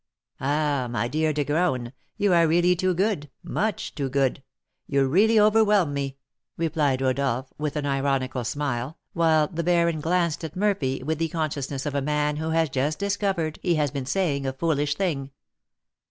"Ah, my dear De Graün, you are really too good, much too good! You really overwhelm me," replied Rodolph, with an ironical smile, while the baron glanced at Murphy with the consciousness of a man who has just discovered he has been saying a foolish thing.